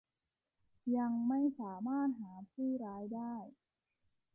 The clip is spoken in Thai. ยังไม่สามารถหาผู้ร้ายได้